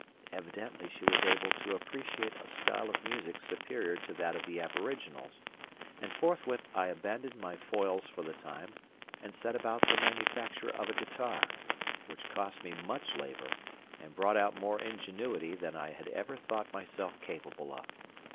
Evidently she was able to appreciate a style of music superior to that of the aboriginals, and forthwith I abandoned my foils for the time and set about the manufacture of a guitar, which cost me much labour and brought out more ingenuity than I had ever thought myself capable of.